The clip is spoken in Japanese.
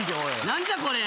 何じゃこれ。